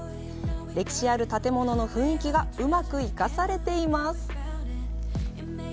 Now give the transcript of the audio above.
歴史ある建物の雰囲気がうまく生かされています。